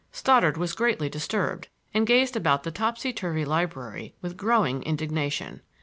Stoddard was greatly disturbed, and gazed about the topsy turvy library with growing indignation.